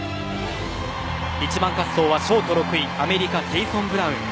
１番滑走はショート６位アメリカ、ジェイソン・ブラウン。